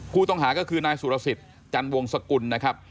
ผู้ต้องหาก็คือนายสุรสิทธิ์จันทร์วงศกุล